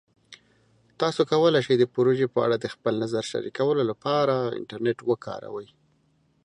تاسو کولی شئ د پروژې په اړه د خپل نظر شریکولو لپاره انټرنیټ وکاروئ.